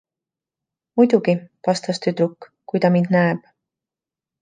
„Muidugi,“ vastas tüdruk, „kui ta mind näeb.“